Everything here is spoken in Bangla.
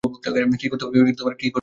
কী করতে হবে বলো।